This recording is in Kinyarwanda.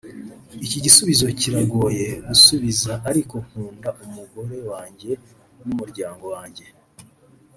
Iki gisubizo kiragoye gusubiza ariko nkunda umugore wanjye n’umuryango wanjye